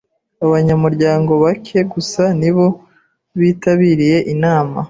Abanyamuryango bake gusa ni bo bitabiriye inama.